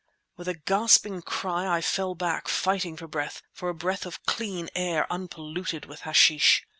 With a gasping cry I fell back, fighting for breath, for a breath of clean air unpolluted with hashish.